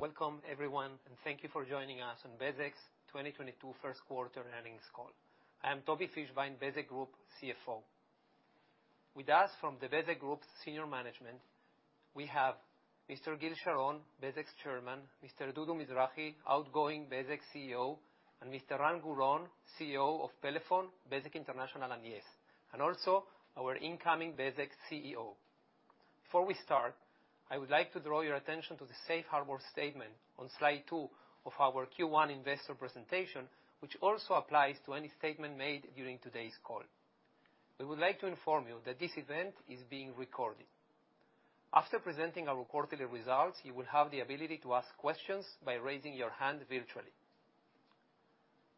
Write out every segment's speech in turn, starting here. Welcome everyone, and thank you for joining us on Bezeq's 2022 first quarter earnings call. I am Tobi Fischbein, Bezeq Group CFO. With us from the Bezeq Group senior management, we have Mr. Gil Sharon, Bezeq's Chairman, Mr. Dudu Mizrahi, outgoing Bezeq CEO, and Mr. Ran Guron, CEO of Pelephone, Bezeq International and Yes, and also our incoming Bezeq CEO. Before we start, I would like to draw your attention to the safe harbor statement on slide two of our Q1 investor presentation, which also applies to any statement made during today's call. We would like to inform you that this event is being recorded. After presenting our quarterly results, you will have the ability to ask questions by raising your hand virtually.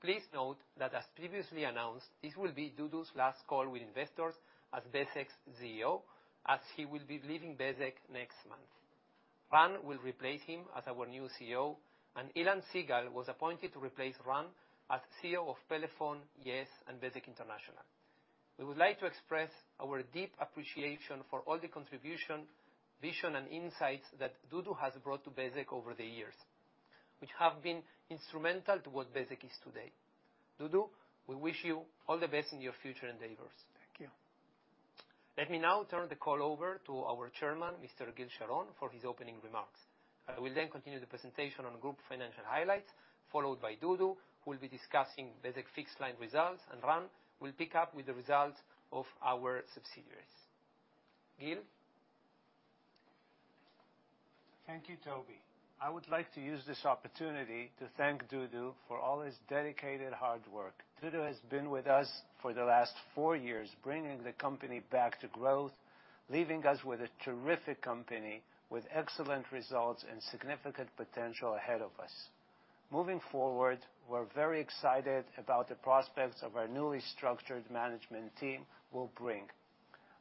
Please note that as previously announced, this will be Dudu's last call with investors as Bezeq's CEO, as he will be leaving Bezeq next month. Ran will replace him as our new CEO, and Ilan Sigal was appointed to replace Ran as CEO of Pelephone, Yes, and Bezeq International. We would like to express our deep appreciation for all the contribution, vision, and insights that Dudu has brought to Bezeq over the years, which have been instrumental to what Bezeq is today. Dudu, we wish you all the best in your future endeavors. Thank you. Let me now turn the call over to our chairman, Mr. Gil Sharon, for his opening remarks. I will then continue the presentation on group financial highlights, followed by Dudu, who will be discussing Bezeq fixed-line results, and Ran will pick up with the results of our subsidiaries. Gil? Thank you, Tobi. I would like to use this opportunity to thank Dudu for all his dedicated hard work. Dudu has been with us for the last four years, bringing the company back to growth, leaving us with a terrific company with excellent results and significant potential ahead of us. Moving forward, we're very excited about the prospects of our newly structured management team will bring.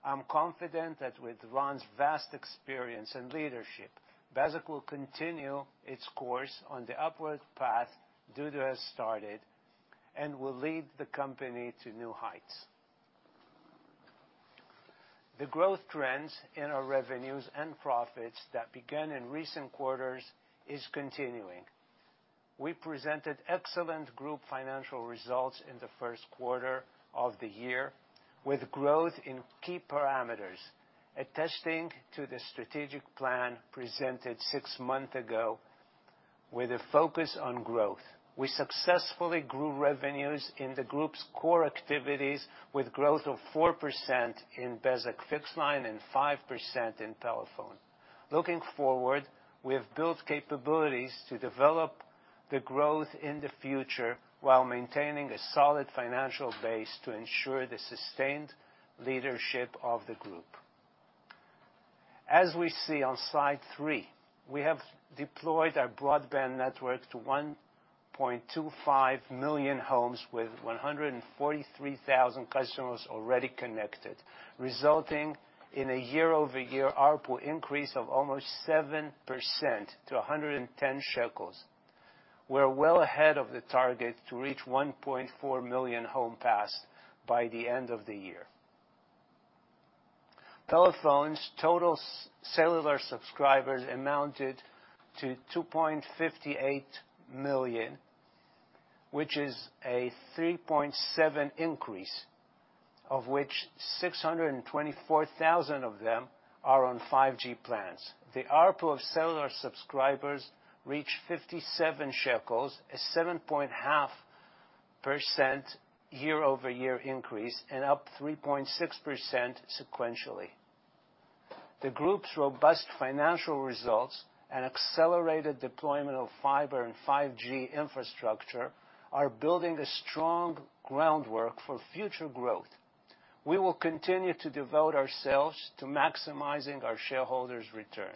I'm confident that with Ran's vast experience and leadership, Bezeq will continue its course on the upward path Dudu has started and will lead the company to new heights. The growth trends in our revenues and profits that began in recent quarters is continuing. We presented excellent group financial results in the first quarter of the year, with growth in key parameters, attesting to the strategic plan presented six months ago with a focus on growth. We successfully grew revenues in the group's core activities with growth of 4% in Bezeq fixed-line and 5% in Pelephone. Looking forward, we have built capabilities to develop the growth in the future while maintaining a solid financial base to ensure the sustained leadership of the group. As we see on slide three, we have deployed our broadband network to 1.25 million homes with 143,000 customers already connected, resulting in a year-over-year ARPU increase of almost 7% to 110 shekels. We're well ahead of the target to reach 1.4 million homes passed by the end of the year. Pelephone's total cellular subscribers amounted to 2.58 million, which is a 3.7% increase, of which 624,000 of them are on 5G plans. The ARPU of cellular subscribers reached ILS 57, a 7.5% year-over-year increase and up 3.6% sequentially. The group's robust financial results and accelerated deployment of fiber and 5G infrastructure are building a strong groundwork for future growth. We will continue to devote ourselves to maximizing our shareholders' return.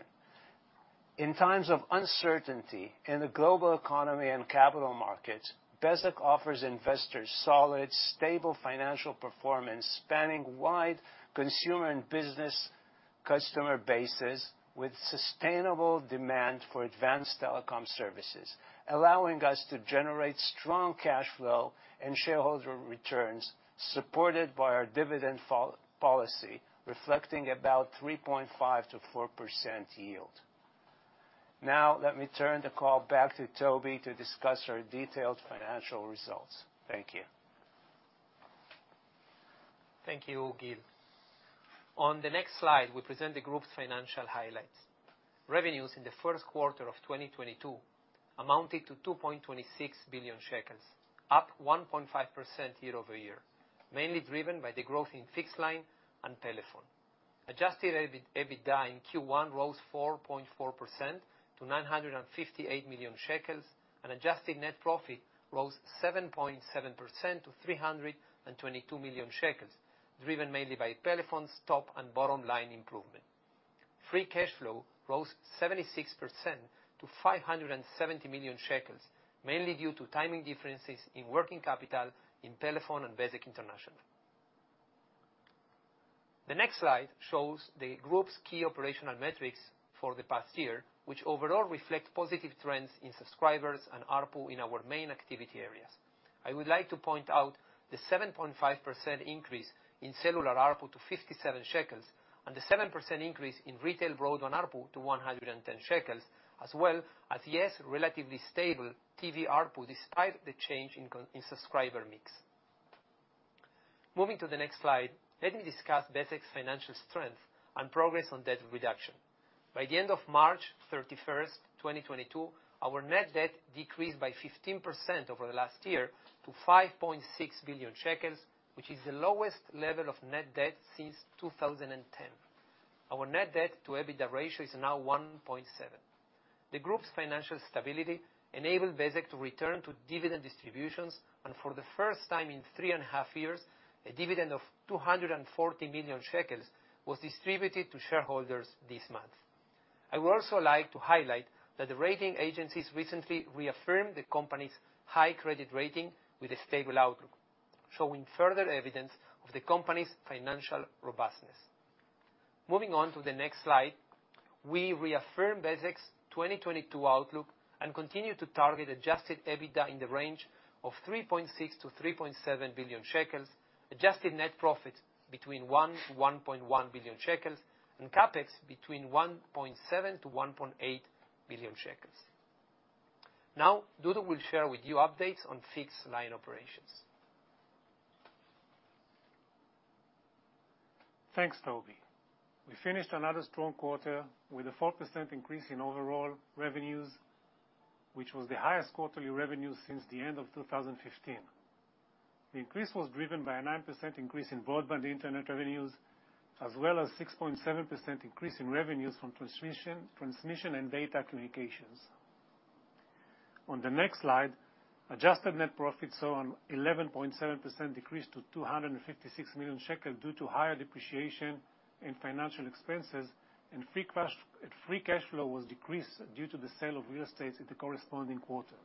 In times of uncertainty in the global economy and capital markets, Bezeq offers investors solid, stable financial performance spanning wide consumer and business customer bases with sustainable demand for advanced telecom services, allowing us to generate strong cash flow and shareholder returns, supported by our dividend policy, reflecting about 3.5%-4% yield. Now, let me turn the call back to Tobi to discuss our detailed financial results. Thank you. Thank you, Gil. On the next slide, we present the group's financial highlights. Revenues in the first quarter of 2022 amounted to 2.26 billion shekels, up 1.5% year-over-year, mainly driven by the growth in fixed line and Pelephone. Adjusted EBITDA in Q1 rose 4.4% to 958 million shekels, and adjusted net profit rose 7.7% to 322 million shekels, driven mainly by Pelephone's top and bottom line improvement. Free cash flow rose 76% to 570 million shekels, mainly due to timing differences in working capital in Pelephone and Bezeq International. The next slide shows the group's key operational metrics for the past year, which overall reflect positive trends in subscribers and ARPU in our main activity areas. I would like to point out the 7.5% increase in cellular ARPU to 57 shekels, and the 7% increase in retail broadband ARPU to 110 shekels, as well as Yes, relatively stable TV ARPU despite the change in subscriber mix. Moving to the next slide, let me discuss Bezeq's financial strength and progress on debt reduction. By the end of March 31, 2022 our net debt decreased by 15% over the last year to 5.6 billion shekels, which is the lowest level of net debt since 2010. Our net debt to EBITDA ratio is now 1.7. The group's financial stability enabled Bezeq to return to dividend distributions, and for the first time in three and a half years, a dividend of 240 million shekels was distributed to shareholders this month. I would also like to highlight that the rating agencies recently reaffirmed the company's high credit rating with a stable outlook, showing further evidence of the company's financial robustness. Moving on to the next slide. We reaffirm Bezeq's 2022 outlook and continue to target Adjusted EBITDA in the range of 3.6 billion-3.7 billion shekels, adjusted net profit between 1 billion-1.1 billion shekels, and CapEx between 1.7 billion-1.8 billion shekels. Now, Dudu will share with you updates on fixed-line operations. Thanks, Tobi. We finished another strong quarter with a 4% increase in overall revenues, which was the highest quarterly revenues since the end of 2015. The increase was driven by a 9% increase in broadband Internet revenues, as well as 6.7% increase in revenues from transmission and data communications. On the next slide, adjusted net profits saw an 11.7% decrease to 256 million shekel due to higher depreciation and financial expenses, and free cash flow was decreased due to the sale of real estate at the corresponding quarter.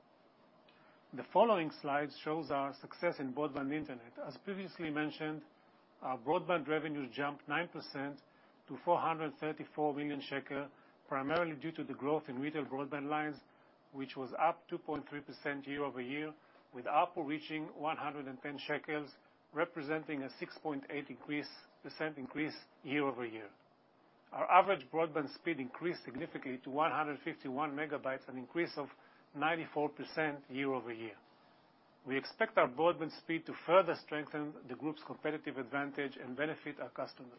The following slide shows our success in broadband Internet. As previously mentioned, our broadband revenues jumped 9% to 434 million shekel, primarily due to the growth in retail broadband lines, which was up 2.3% year-over-year, with ARPU reaching 110 shekels, representing a 6.8% increase year-over-year. Our average broadband speed increased significantly to 151 Mbps, an increase of 94% year-over-year. We expect our broadband speed to further strengthen the group's competitive advantage and benefit our customers.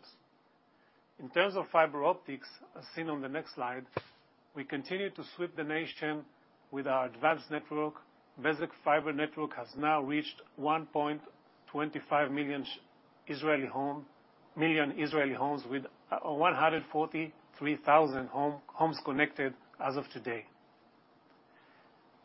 In terms of fiber optics, as seen on the next slide, we continue to sweep the nation with our advanced network. Bezeq fiber network has now reached 1.25 million Israeli homes with 143,000 homes connected as of today.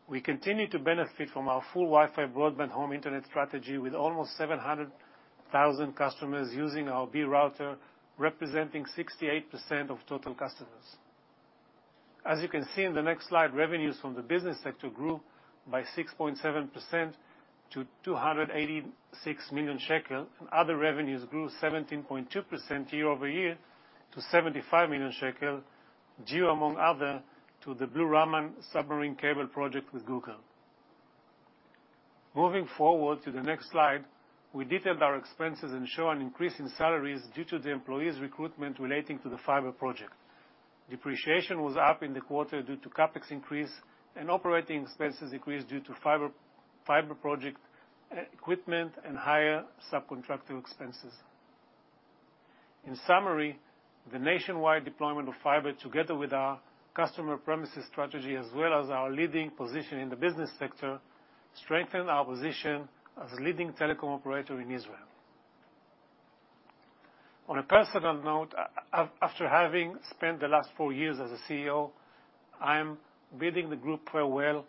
We continue to benefit from our full Wi-Fi broadband home internet strategy with almost 700,000 customers using our Be router, representing 68% of total customers. As you can see in the next slide, revenues from the business sector grew by 6.7% to 286 million shekel, and other revenues grew 17.2% year-over-year to 75 million shekel, due among other to the Blue-Raman submarine cable project with Google. Moving forward to the next slide, we detailed our expenses and show an increase in salaries due to the employees' recruitment relating to the fiber project. Depreciation was up in the quarter due to CapEx increase and operating expenses increased due to fiber project equipment and higher sub-contractor expenses. In summary, the nationwide deployment of fiber, together with our customer premises strategy as well as our leading position in the business sector, strengthen our position as a leading telecom operator in Israel. On a personal note, after having spent the last four years as a CEO, I am bidding the group farewell.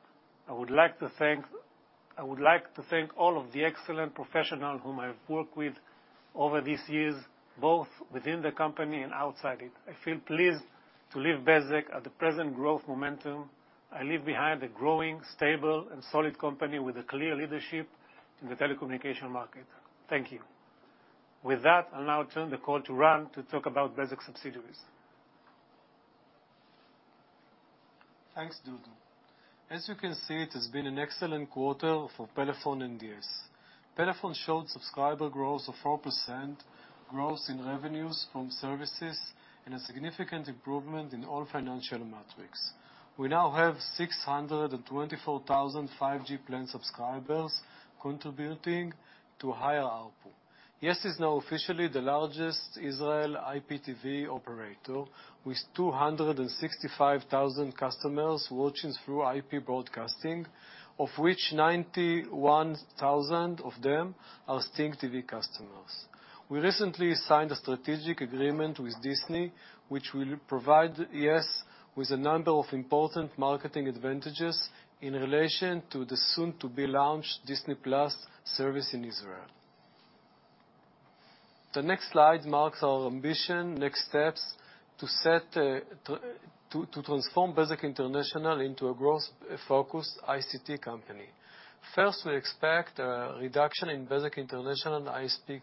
I would like to thank all of the excellent professionals whom I've worked with over these years, both within the company and outside it. I feel pleased to leave Bezeq at the present growth momentum. I leave behind a growing, stable and solid company with a clear leadership in the telecommunication market. Thank you. With that, I'll now turn the call to Ran to talk about Bezeq subsidiaries. Thanks, Dudu. As you can see, it has been an excellent quarter for Pelephone and Yes. Pelephone showed subscriber growth of 4%, growth in revenues from services, and a significant improvement in all financial metrics. We now have 624,000 5G plan subscribers contributing to higher ARPU. Yes is now officially the largest Israeli IPTV operator with 265,000 customers watching through IP broadcasting, of which 91,000 of them are STINGTV customers. We recently signed a strategic agreement with Disney, which will provide Yes with a number of important marketing advantages in relation to the soon-to-be-launched Disney+ service in Israel. The next slide marks our ambitious next steps to transform Bezeq International into a growth-focused ICT company. First, we expect a reduction in Bezeq International ISP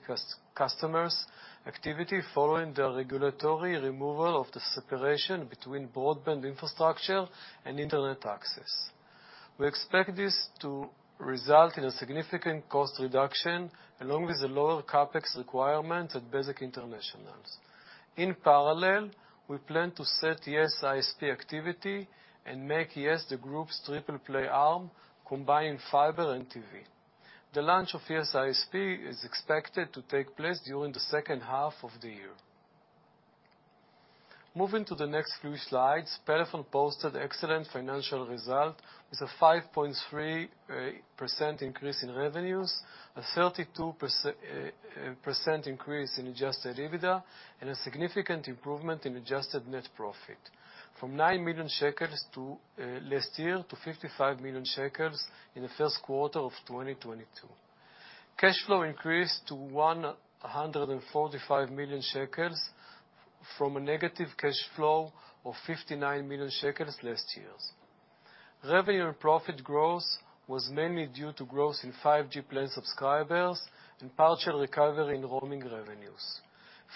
customers' activity following the regulatory removal of the separation between broadband infrastructure and internet access. We expect this to result in a significant cost reduction, along with the lower CapEx requirement at Bezeq International. In parallel, we plan to set Yes ISP activity and make Yes the group's triple play arm, combining fiber and TV. The launch of Yes ISP is expected to take place during the second half of the year. Moving to the next few slides, Pelephone posted excellent financial result with a 5.3% increase in revenues, a 32% increase in adjusted EBITDA, and a significant improvement in adjusted net profit from 9 million shekels last year to 55 million shekels in the first quarter of 2022. Cash flow increased to 145 million shekels from a negative cash flow of 59 million shekels last year. Revenue and profit growth was mainly due to growth in 5G plan subscribers and partial recovery in roaming revenues.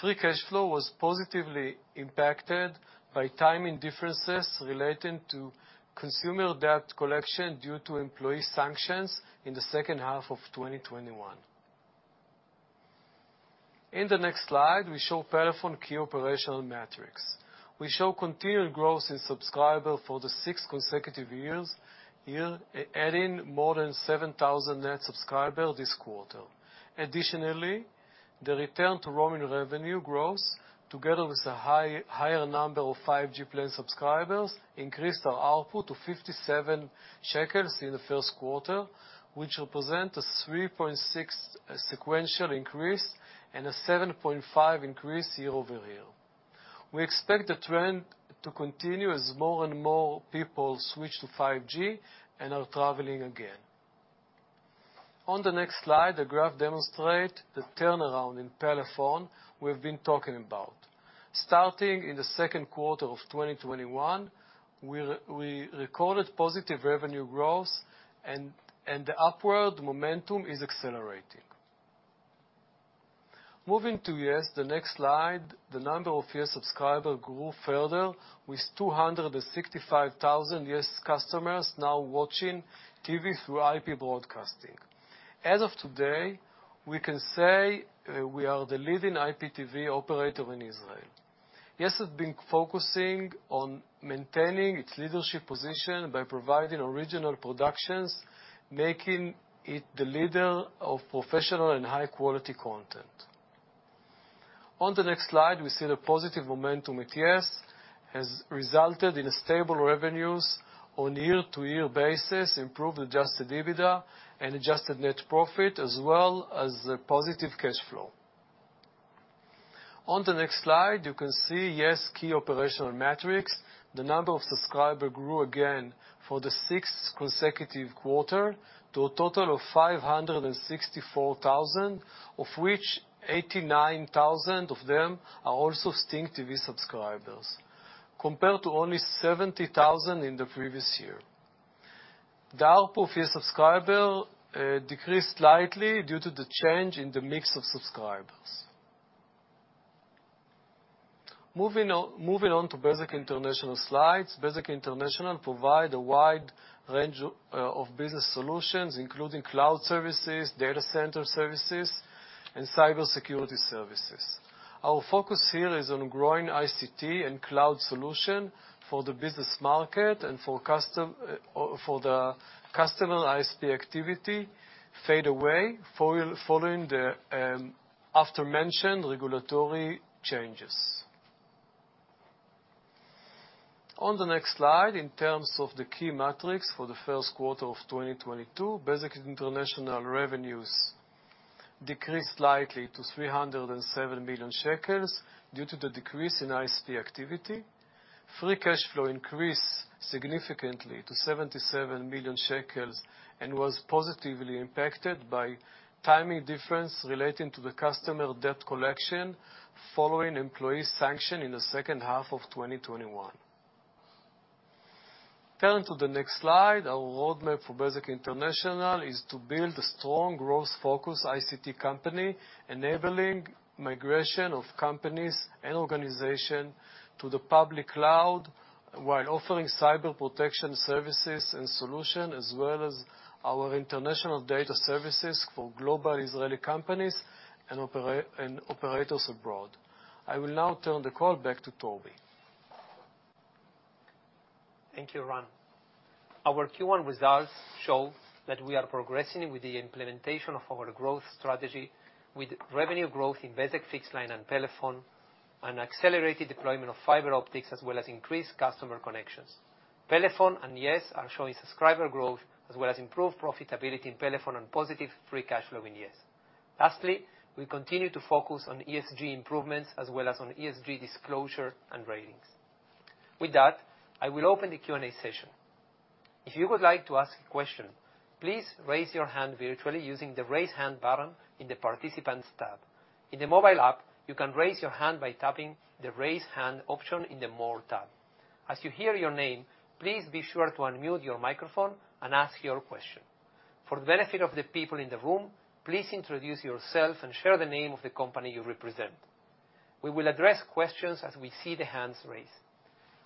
Free cash flow was positively impacted by timing differences relating to consumer debt collection due to employee sanctions in the second half of 2021. In the next slide, we show Pelephone key operational metrics. We show continued growth in subscribers for the sixth consecutive year, adding more than 7,000 net subscribers this quarter. Additionally, the return to roaming revenue growth, together with a higher number of 5G plan subscribers, increased our ARPU to 57 shekels in the first quarter, which represent a 3.6 sequential increase and a 7.5 increase year-over-year. We expect the trend to continue as more and more people switch to 5G and are traveling again. On the next slide, the graph demonstrates the turnaround in Pelephone we've been talking about. Starting in the second quarter of 2021, we recorded positive revenue growth and the upward momentum is accelerating. Moving to Yes, the next slide, the number of Yes subscribers grew further with 265,000 Yes customers now watching TV through IP broadcasting. As of today, we can say we are the leading IPTV operator in Israel. Yes has been focusing on maintaining its leadership position by providing original productions, making it the leader of professional and high-quality content. On the next slide, we see the positive momentum at Yes has resulted in stable revenues on a year-to-year basis, improved adjusted EBITDA and adjusted net profit, as well as a positive cash flow. On the next slide, you can see Yes key operational metrics. The number of subscribers grew again for the sixth consecutive quarter to a total of 564,000, of which 89,000 of them are also STINGTV subscribers, compared to only 70,000 in the previous year. The ARPU per subscriber decreased slightly due to the change in the mix of subscribers. Moving on to Bezeq International slides. Bezeq International provides a wide range of business solutions, including cloud services, data center services, and cybersecurity services. Our focus here is on growing ICT and cloud solutions for the business market and for the customer, ISP activity has faded away following the aforementioned regulatory changes. On the next slide, in terms of the key metrics for the first quarter of 2022, Bezeq International revenues decreased slightly to 307 million shekels due to the decrease in ISP activity. Free cash flow increased significantly to 77 million shekels and was positively impacted by timing difference relating to the customer debt collection following employee sanction in the second half of 2021. Turning to the next slide, our roadmap for Bezeq International is to build a strong growth-focused ICT company, enabling migration of companies and organizations to the public cloud while offering cyber protection services and solutions, as well as our international data services for global Israeli companies and operators abroad. I will now turn the call back to Tobi. Thank you, Ran. Our Q1 results show that we are progressing with the implementation of our growth strategy with revenue growth in Bezeq fixed-line and Pelephone and accelerated deployment of fiber optics, as well as increased customer connections. Pelephone and Yes are showing subscriber growth, as well as improved profitability in Pelephone and positive free cash flow in Yes. Lastly, we continue to focus on ESG improvements as well as on ESG disclosure and ratings. With that, I will open the Q&A session. If you would like to ask a question, please raise your hand virtually using the Raise Hand button in the Participants tab. In the mobile app, you can raise your hand by tapping the Raise Hand option in the More tab. As you hear your name, please be sure to unmute your microphone and ask your question. For the benefit of the people in the room, please introduce yourself and share the name of the company you represent. We will address questions as we see the hands raised.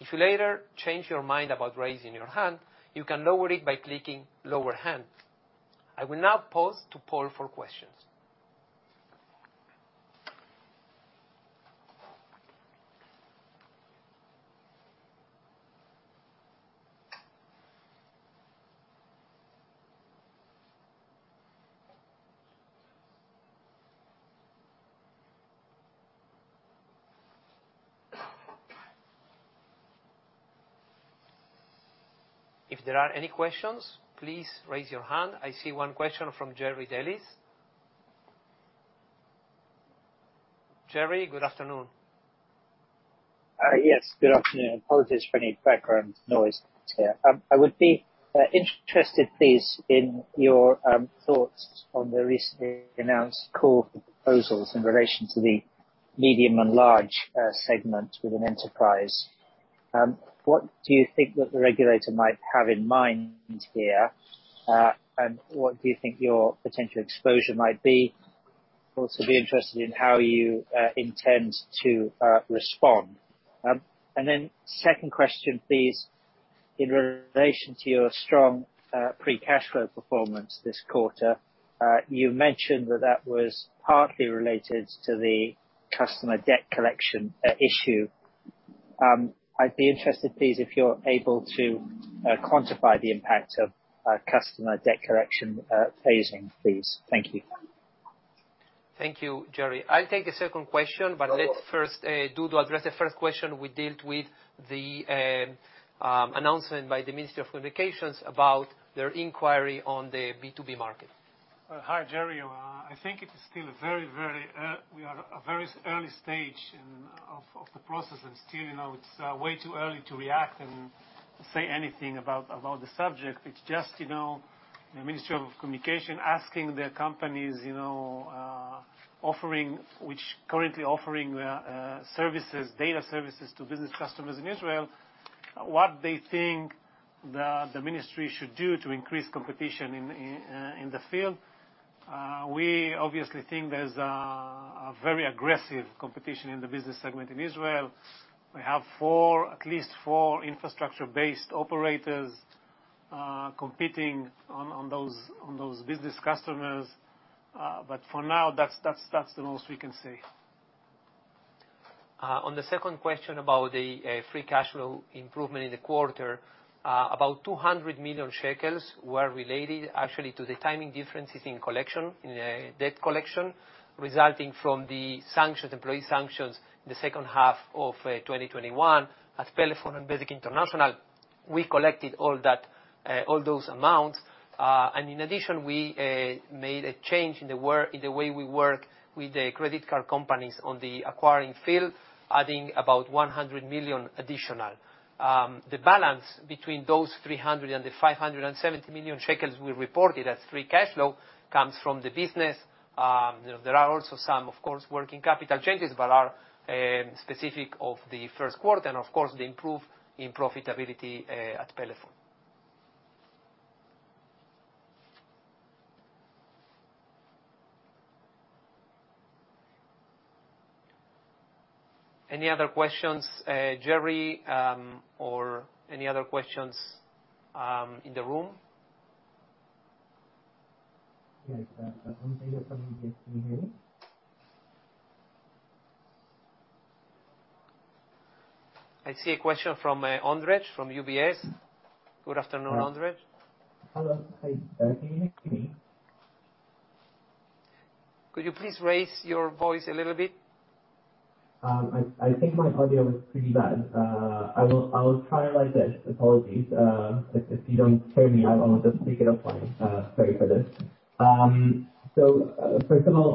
If you later change your mind about raising your hand, you can lower it by clicking Lower Hand. I will now pause to poll for questions. If there are any questions, please raise your hand. I see one question from Jerry Dellis. Jerry, good afternoon. Yes. Good afternoon. Apologies for any background noise here. I would be interested, please, in your thoughts on the recently announced core proposals in relation to the medium and large segments within enterprise. What do you think that the regulator might have in mind here? What do you think your potential exposure might be? Also be interested in how you intend to respond. Second question please, in relation to your strong free cash flow performance this quarter, you mentioned that that was partly related to the customer debt collection issue. I'd be interested, please, if you're able to quantify the impact of customer debt collection phasing, please. Thank you. Thank you, Jerry. I'll take the second question, but let's first address the first question we dealt with the announcement by the Ministry of Communications about their inquiry on the B2B market. Hi, Jerry. I think we are at a very early stage in the process and still, you know, it's way too early to react and say anything about the subject. It's just, you know, the Ministry of Communications asking the companies which currently offer data services to business customers in Israel what they think the ministry should do to increase competition in the field. We obviously think there's a very aggressive competition in the business segment in Israel. We have at least four infrastructure-based operators competing on those business customers. For now that's the most we can say. On the second question about the free cash flow improvement in the quarter, about 200 million shekels were related actually to the timing differences in collection, in debt collection, resulting from the sanctions, employee sanctions in the second half of 2021. At Pelephone and Bezeq International, we collected all those amounts. In addition, we made a change in the way we work with the credit card companies on the acquiring field, adding about 100 million additional. The balance between those 300 million and the 570 million shekels we reported as free cash flow comes from the business. There are also some, of course, working capital changes, but are specific of the first quarter, and of course the improvement in profitability at Pelephone. Any other questions, Jerry, or any other questions in the room? Yes. I think there's somebody just joining. I see a question from Ondrej from UBS. Good afternoon, Ondrej. Hello. Hi. Can you hear me? Could you please raise your voice a little bit? I think my audio is pretty bad. I will try like this. Apologies. If you don't hear me I will just pick it up. Sorry for this. First of all,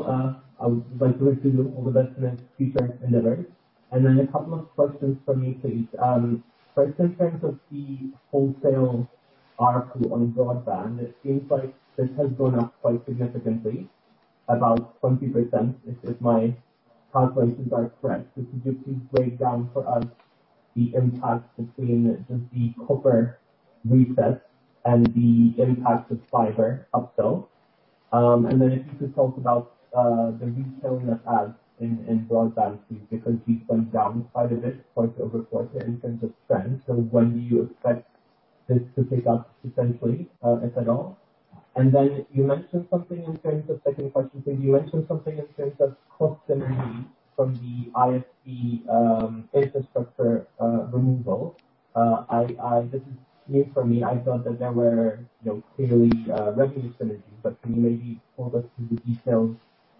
I would like to wish you all the best in the future endeavors. Then a couple of questions from me, please. First in terms of the wholesale ARPU on broadband, it seems like this has gone up quite significantly, about 20% if my calculations are correct. Could you please break down for us the impact between just the copper access and the impact of fiber upsell? If you could talk about the retail net add in broadband, please, because you've come down quite a bit quarter-over-quarter in terms of trend. When do you expect this to pick up potentially, if at all? You mentioned something in terms of second question. You mentioned something in terms of cost synergy from the ISP infrastructure removal. This is new for me. I thought that there were, you know, clearly, revenue synergies, but can you maybe walk us through the details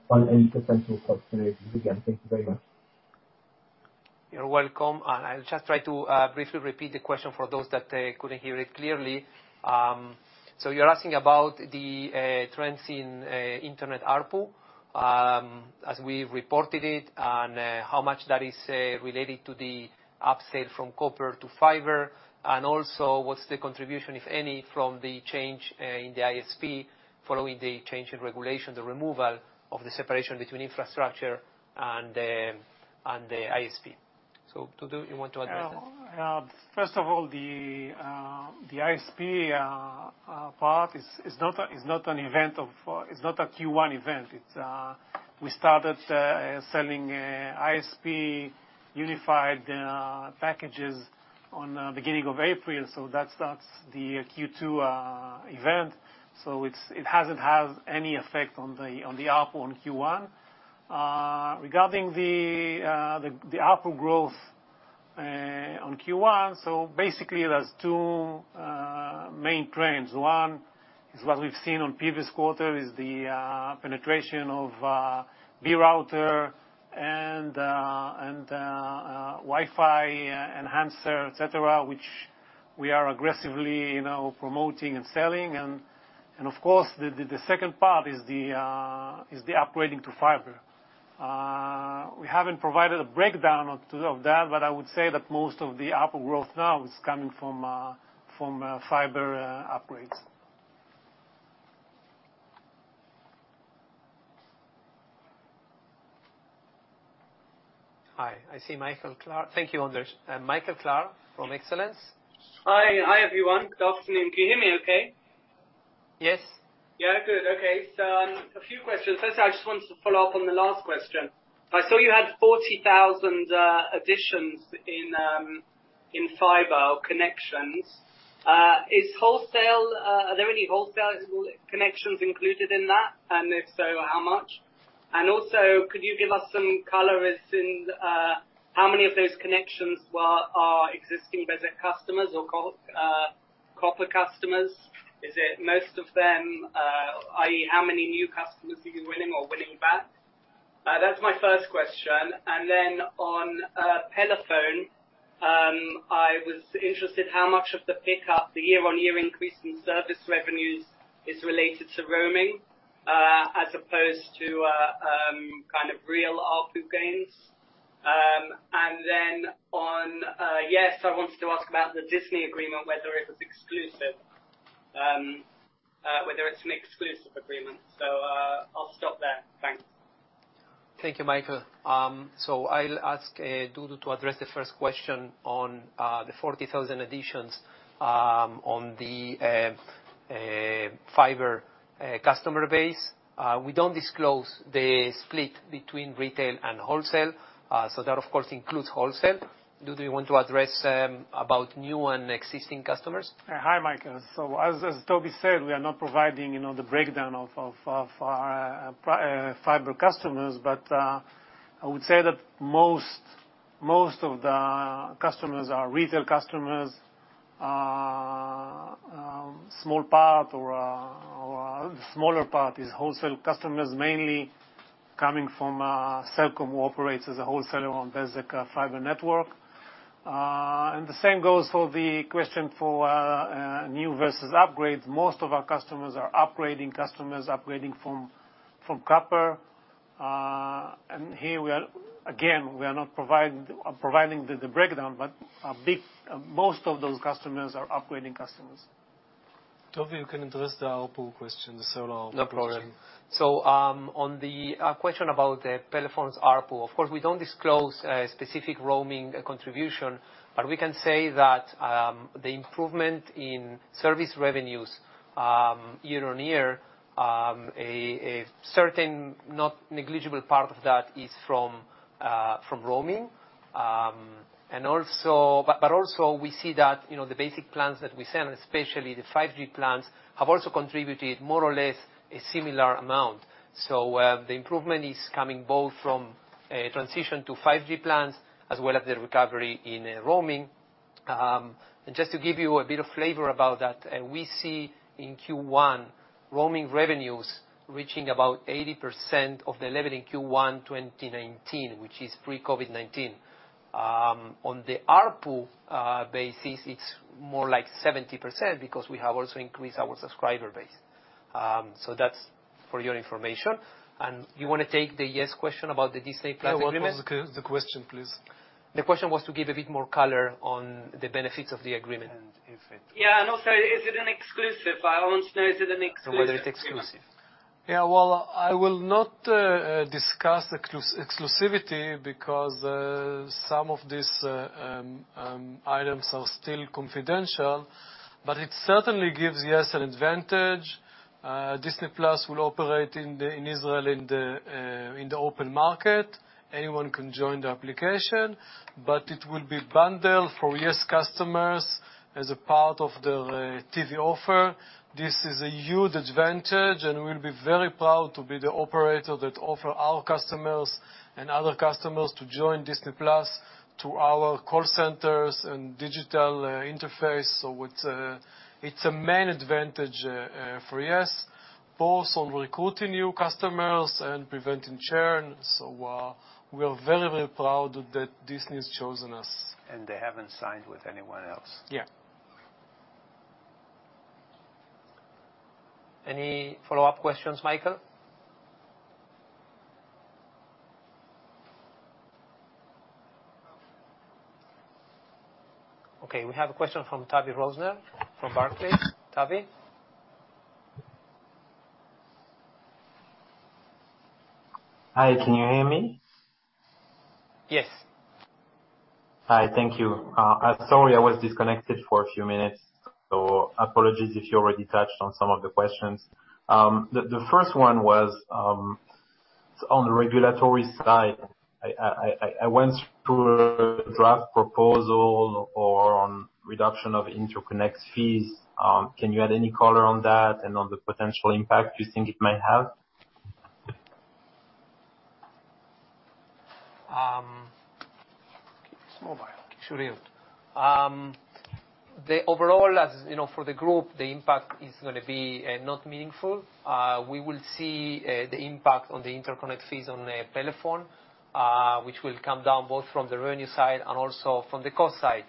on any potential cost synergies? Again, thank you very much. You're welcome. I'll just try to briefly repeat the question for those that couldn't hear it clearly. You're asking about the trends in internet ARPU, as we reported it, and how much that is related to the upsell from copper to fiber, and also what's the contribution, if any, from the change in the ISP following the change in regulation, the removal of the separation between infrastructure and the ISP. Dudu, you want to address it? First of all, the ISP part is not a Q1 event. We started selling ISP unified packages beginning of April, so that's not the Q2 event. It hasn't had any effect on the ARPU in Q1. Regarding the ARPU growth in Q1, basically there's two main trends. One is what we've seen in previous quarter, the penetration of Be router and Wi-Fi enhancer, et cetera, which we are aggressively, you know, promoting and selling. Of course, the second part is the upgrading to fiber. We haven't provided a breakdown of to. Of that, but I would say that most of the ARPU growth now is coming from fiber upgrades. Thank you, Ondrej. Michael Clarke from Excellence. Hi. Hi, everyone. Good afternoon. Can you hear me okay? Yes. Yeah. Good. Okay. A few questions. First, I just wanted to follow up on the last question. I saw you had 40,000 additions in fiber connections. Are there any wholesale connections included in that? And if so, how much? And also, could you give us some color as in how many of those connections are existing Bezeq customers or copper customers? Is it most of them? i.e. how many new customers are you winning or winning back? That's my first question. Then on Pelephone, I was interested how much of the pickup, the year-on-year increase in service revenues is related to roaming, as opposed to kind of real ARPU gains. On Yes, I wanted to ask about the Disney agreement, whether it was exclusive, whether it's an exclusive agreement. I'll stop there. Thanks. Thank you, Michael. I'll ask Dudu to address the first question on the 40,000 additions on the fiber customer base. We don't disclose the split between retail and wholesale, so that of course includes wholesale. Dudu, you want to address about new and existing customers? Hi, Michael. As Tobi said, we are not providing the breakdown of our fiber customers, but I would say that most of the customers are retail customers. Small part or the smaller part is wholesale customers, mainly coming from Cellcom, who operates as a wholesaler on Bezeq fiber network. The same goes for the question for new versus upgrades. Most of our customers are upgrading customers, upgrading from copper. Again, we are not providing the breakdown, but most of those customers are upgrading customers. Tobi, you can address the ARPU question, the solo ARPU question. No problem. On the question about the Pelephone's ARPU, of course, we don't disclose a specific roaming contribution, but we can say that the improvement in service revenues year-over-year, a certain not negligible part of that is from roaming, but also we see that, you know, the basic plans that we sell, and especially the 5G plans, have also contributed more or less a similar amount. The improvement is coming both from a transition to 5G plans, as well as the recovery in roaming. Just to give you a bit of flavor about that, we see in Q1, roaming revenues reaching about 80% of the level in Q1 2019, which is pre-COVID-19. On the ARPU basis, it's more like 70% because we have also increased our subscriber base. That's for your information. You wanna take the Yes question about the Disney+ agreement? Yeah, what was the question, please? The question was to give a bit more color on the benefits of the agreement. And if it- Yeah. Also, is it an exclusive? I want to know, is it an exclusive agreement? Whether it's exclusive. Yeah. Well, I will not discuss exclusivity because some of these items are still confidential, but it certainly gives Yes an advantage. Disney+ will operate in Israel in the open market. Anyone can join the application, but it will be bundled for Yes customers as a part of their TV offer. This is a huge advantage, and we'll be very proud to be the operator that offer our customers and other customers to join Disney+ to our call centers and digital interface. It's a main advantage for Yes, both on recruiting new customers and preventing churn. We are very, very proud that Disney's chosen us. They haven't signed with anyone else. Yeah. Any follow-up questions, Michael? Okay, we have a question from Tavy Rosner from Barclays. Tavy? Hi, can you hear me? Yes. Hi. Thank you. Sorry, I was disconnected for a few minutes, so apologies if you already touched on some of the questions. The first one was on the regulatory side. I went through a draft proposal on reduction of interconnect fees. Can you add any color on that and on the potential impact you think it may have? Overall, as you know, for the group, the impact is gonna be not meaningful. We will see the impact on the interconnect fees on telephone, which will come down both from the revenue side and also from the cost side.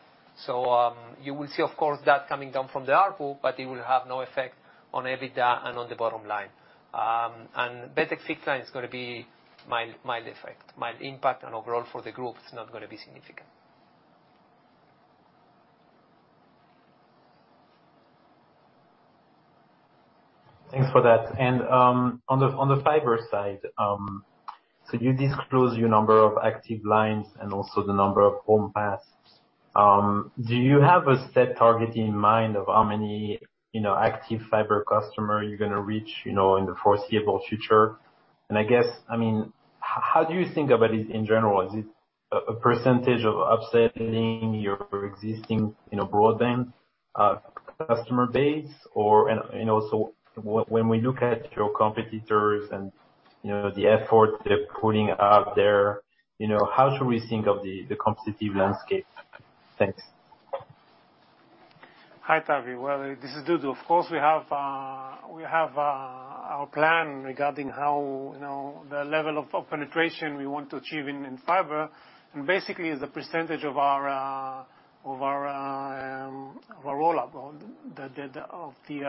You will see of course that coming down from the ARPU, but it will have no effect on EBITDA and on the bottom line. Bezeq fixed-line is gonna be mild effect, mild impact, and overall for the group, it's not gonna be significant. Thanks for that. On the fiber side, so you disclose your number of active lines and also the number of home passes. Do you have a set target in mind of how many, you know, active fiber customer you're gonna reach, you know, in the foreseeable future? I guess, I mean, how do you think about it in general? Is it a percentage of upselling your existing, you know, broadband customer base? Or, you know, so when we look at your competitors and, you know, the effort they're putting out there, you know, how should we think of the competitive landscape? Thanks. Hi, Tavi. Well, this is Dudu. Of course, we have our plan regarding how, you know, the level of penetration we want to achieve in fiber, and basically is the percentage of our rollout or the of the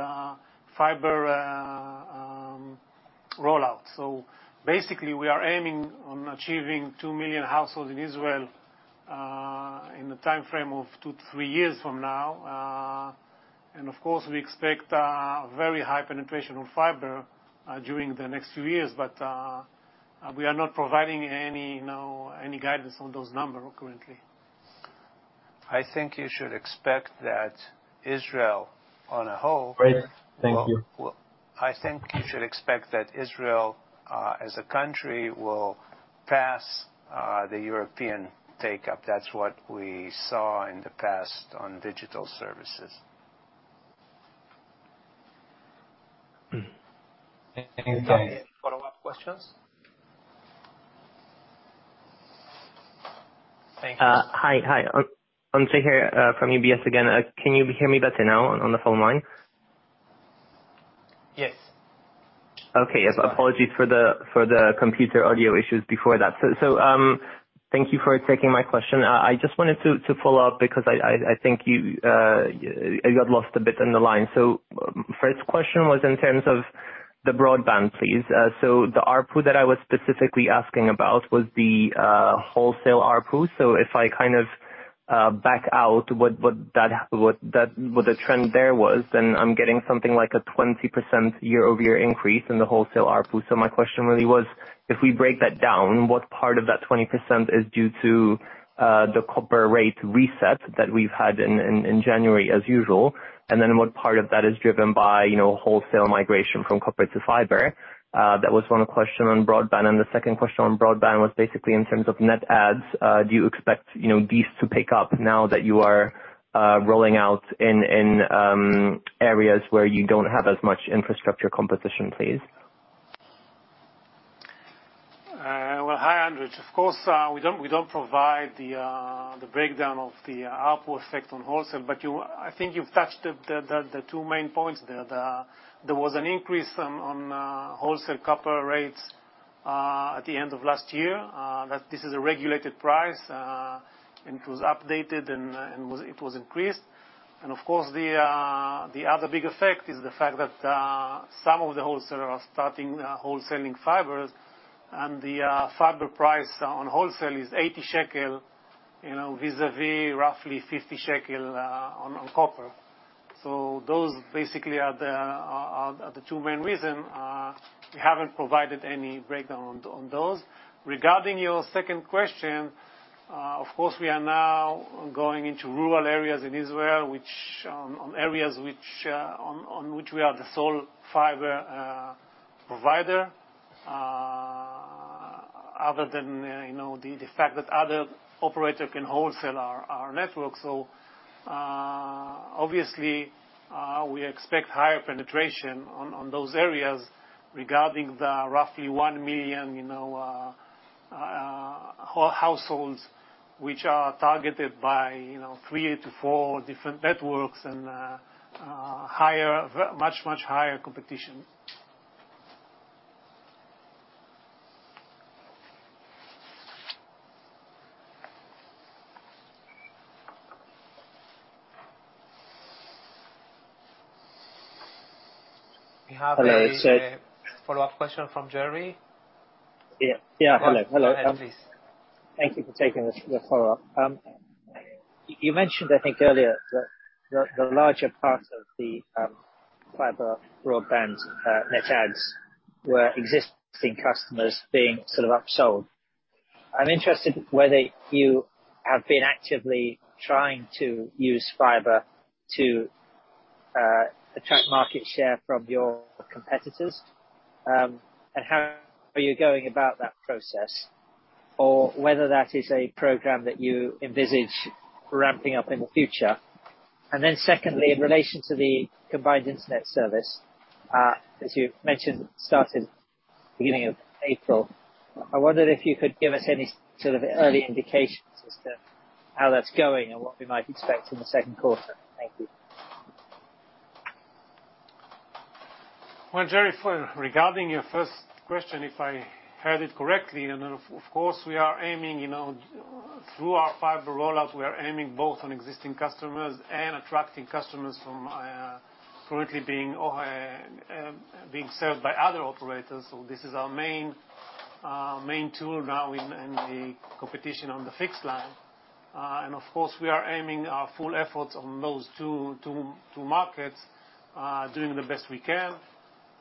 fiber rollout. Basically we are aiming on achieving 2 million households in Israel in the timeframe of two to three years from now. Of course we expect very high penetration of fiber during the next few years. We are not providing any, you know, any guidance on those number currently. I think you should expect that Israel as a whole. Great. Thank you. I think you should expect that Israel, as a country, will pass the European take-up. That's what we saw in the past on digital services. Any follow-up questions? Thank you. Hi. I'm Ondrej Cabejsek from UBS again. Can you hear me better now on the phone line? Yes. Okay. Yes, apologies for the computer audio issues before that. Thank you for taking my question. I just wanted to follow up because I think you got lost a bit on the line. First question was in terms of the broadband, please. The ARPU that I was specifically asking about was the wholesale ARPU. If I kind of back out what the trend there was, then I'm getting something like a 20% year-over-year increase in the wholesale ARPU. My question really was, if we break that down, what part of that 20% is due to the copper rate reset that we've had in January as usual, and then what part of that is driven by, you know, wholesale migration from copper to fiber? That was one question on broadband. The second question on broadband was basically in terms of net adds, do you expect, you know, these to pick up now that you are rolling out in areas where you don't have as much infrastructure competition, please? Hi, Ondrej. Of course, we don't provide the breakdown of the ARPU effect on wholesale, but I think you've touched the two main points there. There was an increase on wholesale copper rates at the end of last year, that this is a regulated price, and it was updated and was increased. Of course, the other big effect is the fact that some of the wholesalers are starting wholesaling fibers and the fiber price on wholesale is 80 shekel, you know, vis-a-vis roughly 50 shekel on copper. Those basically are the two main reason. We haven't provided any breakdown on those. Regarding your second question, of course, we are now going into rural areas in Israel on which we are the sole fiber provider, other than, you know, the fact that other operator can wholesale our network. Obviously, we expect higher penetration on those areas regarding the roughly 1 million, you know, households which are targeted by, you know, three to four different networks and much higher competition. We have a- Hello. Follow-up question from Jerry Dellis. Yeah. Hello. Hello, please. Thank you for taking this, the follow-up. You mentioned, I think earlier that the larger part of the fiber broadband net adds were existing customers being sort of upsold. I'm interested whether you have been actively trying to use fiber to attract market share from your competitors, and how are you going about that process? Or whether that is a program that you envisage ramping up in the future. Then secondly, in relation to the combined internet service, as you mentioned, starting beginning of April, I wondered if you could give us any sort of early indications as to how that's going and what we might expect in the second quarter. Thank you. Well, Jerry, regarding your first question, if I heard it correctly, of course, we are aiming, you know, through our fiber rollout, we are aiming both on existing customers and attracting customers from currently being served by other operators. This is our main tool now in the competition on the fixed line. Of course, we are aiming our full efforts on those two markets, doing the best we can.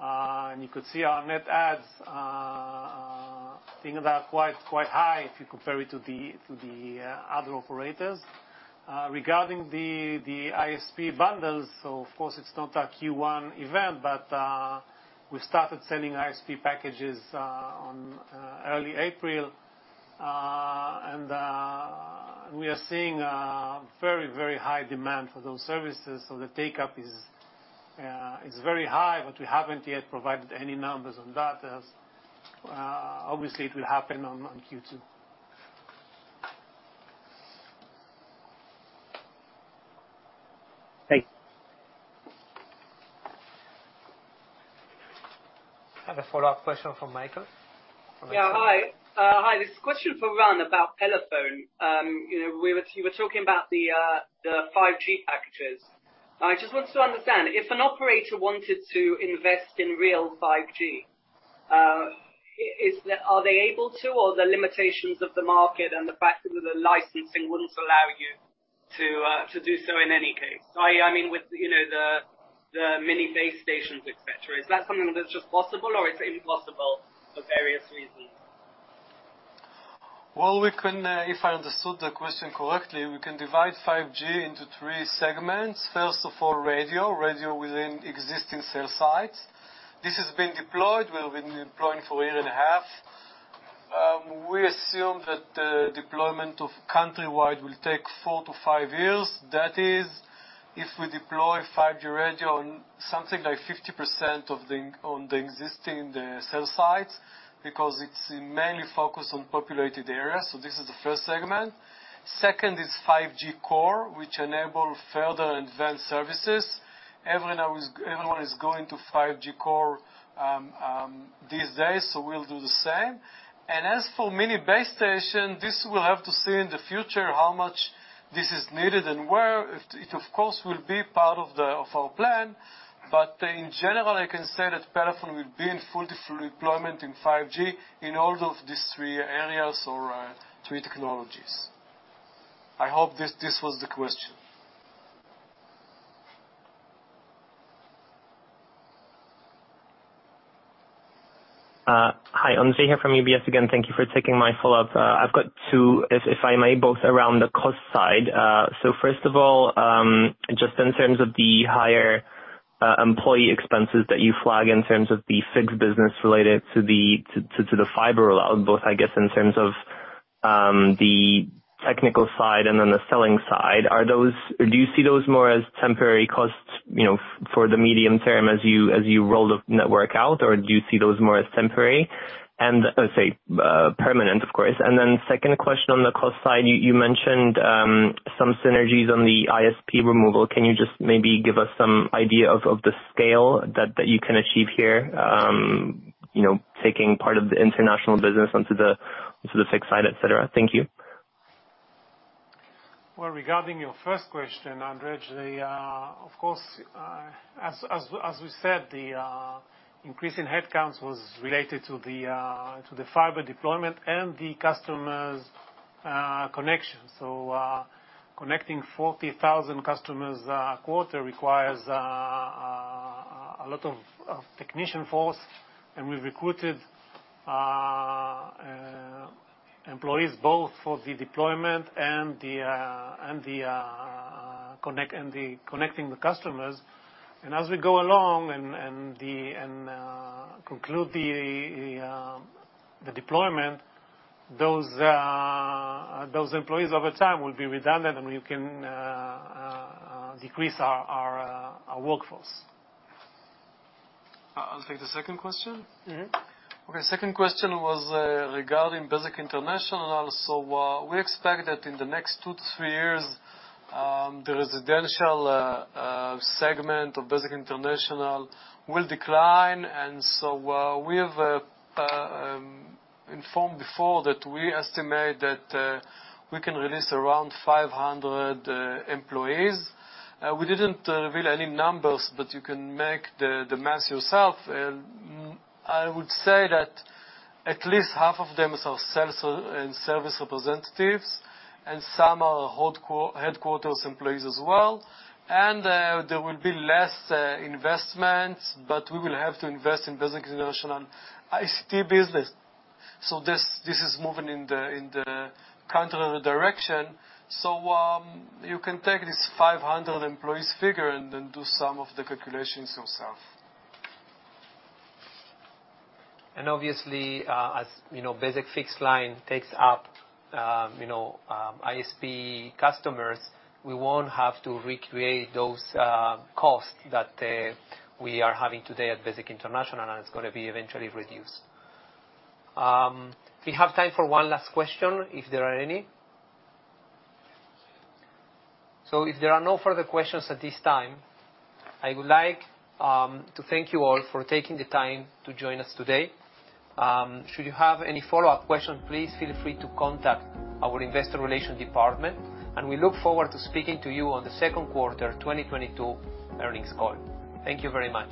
You could see our net adds being about quite high if you compare it to the other operators. Regarding the ISP bundles, of course it's not a Q1 event, but we started sending ISP packages in early April. We are seeing very high demand for those services. The take-up is very high, but we haven't yet provided any numbers on that as obviously it will happen on Q2. Thanks. I have a follow-up question from Michael. Yeah. Hi. This is a question for Ran about Pelephone. You know, you were talking about the 5G packages. I just wanted to understand, if an operator wanted to invest in real 5G, are they able to, or the limitations of the market and the fact that the licensing wouldn't allow you to do so in any case? I mean, with the mini base stations, et cetera. Is that something that's just possible or it's impossible for various reasons? Well, if I understood the question correctly, we can divide 5G into three segments. First of all, radio. Radio within existing cell sites. This has been deployed. We have been deploying for a year and a half. We assume that deployment of countrywide will take four to five years. That is if we deploy 5G radio on something like 50% of the existing cell sites, because it's mainly focused on populated areas. This is the first segment. Second is 5G core, which enable further advanced services. Everyone is going to 5G core these days, so we'll do the same. As for mini base station, this we'll have to see in the future how much this is needed and where. It of course will be part of our plan. In general, I can say that Pelephone will be in full deployment in 5G in all of these three areas or three technologies. I hope this was the question. Hi. Ondrej here from UBS again. Thank you for taking my follow-up. I've got two, if I may, both around the cost side. First of all, just in terms of the higher employee expenses that you flag in terms of the fixed business related to the fiber-optic rollout, both, I guess, in terms of the technical side and then the selling side. Do you see those more as temporary costs, you know, for the medium term as you roll the network out or do you see those more as temporary? Say permanent, of course. Second question on the cost side, you mentioned some synergies on the ISP removal. Can you just maybe give us some idea of the scale that you can achieve here, you know, taking part of the international business onto the fixed side, et cetera? Thank you. Well, regarding your first question, Ondrej, of course, as we said, the increase in headcounts was related to the fiber deployment and the customers' connection. Connecting 40,000 customers a quarter requires a lot of technician force, and we've recruited employees both for the deployment and connecting the customers. As we go along and conclude the deployment, those employees over time will be redundant, and we can decrease our workforce. I'll take the second question. Mm-hmm. Okay. Second question was regarding Bezeq International. We expect that in the next two to three years, the residential segment of Bezeq International will decline. We have informed before that we estimate that we can release around 500 employees. We didn't reveal any numbers, but you can make the math yourself. I would say that at least half of them are sales and service representatives, and some are headquarters employees as well. There will be less investments, but we will have to invest in Bezeq International ICT business. This is moving in the contrary direction. You can take this 500 employees figure and then do some of the calculations yourself. Obviously, as you know, Bezeq fixed-line takes up ISP customers, we won't have to recreate those costs that we are having today at Bezeq International, and it's gonna be eventually reduced. We have time for one last question, if there are any. If there are no further questions at this time, I would like to thank you all for taking the time to join us today. Should you have any follow-up questions, please feel free to contact our investor relations department, and we look forward to speaking to you on the second quarter 2022 earnings call. Thank you very much.